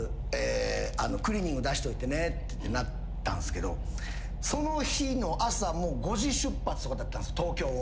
出しといてねってなったんすけどその日の朝５時出発とかだったんです東京を。